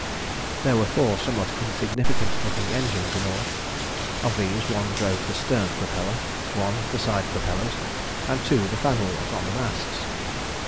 There were four somewhat insignificant looking engines in all. Of these, one drove the stern propeller, one the side propellers, and two the fan wheels on the masts.